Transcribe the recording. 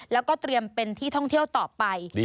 แล้วก็เตรียมเป็นที่ท่องเที่ยวต่อไป